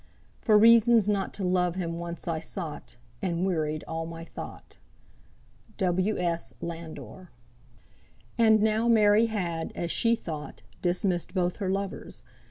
For reasons not to love him once I sought, And wearied all my thought." W. S. LANDOR. And now Mary had, as she thought, dismissed both her lovers.